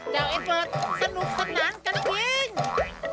เจ้าเอ็ดเวิร์ดสนุกสนานกันจริง